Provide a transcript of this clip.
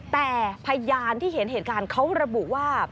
แต่พยานที่เห็นเหตุการณ์เขาระบุว่า